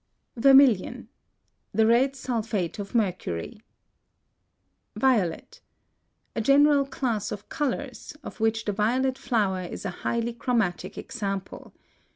+ VERMILION. The red sulphate of mercury. VIOLET. A general class of colors, of which the violet flower is a highly chromatic example.